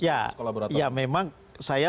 ya kolaborator ya memang saya